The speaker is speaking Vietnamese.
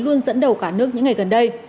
luôn dẫn đầu cả nước những ngày gần đây